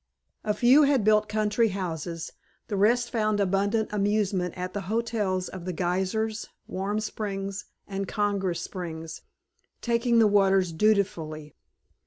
A few had built country houses, the rest found abundant amusement at the hotels of The Geysers, Warm Springs and Congress Springs, taking the waters dutifully.